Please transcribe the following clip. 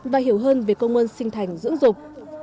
và hiểu hơn về công ơn sinh thành dưỡng dục